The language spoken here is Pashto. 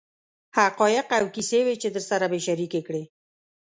حقایق او کیسې وې چې درسره مې شریکې کړې.